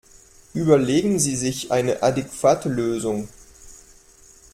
Überlegen Sie sich eine adäquate Lösung!